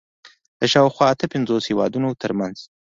د شاوخوا اته پنځوس هېوادونو تر منځ